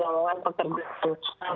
dan juga manfaat pengawasan pekerjaan